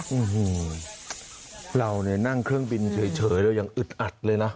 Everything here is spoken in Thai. โอ้โหเราเนี่ยนั่งเครื่องบินเฉยเรายังอึดอัดเลยนะ